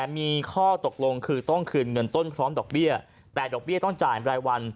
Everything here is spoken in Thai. มีข้อตกลงคือต้องคืนเงินต้นพร้อมดอกเบี้ยแต่ดอกเบี้ยต้องจ่ายรายวัน